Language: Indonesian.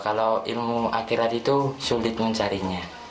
kalau ilmu akhirat itu sulit mencarinya